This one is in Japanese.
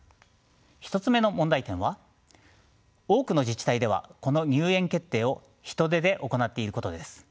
１つ目の問題点は多くの自治体ではこの入園決定を人手で行っていることです。